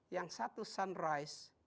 yang satu sunrise